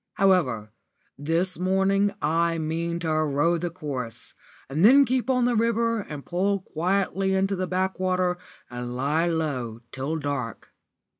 However, this morning I mean to row the course, and then keep on the river and pull quietly into the backwater, and lie low till dark.